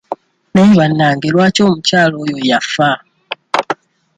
Naye bannange lwaki omukyala oyo yafa?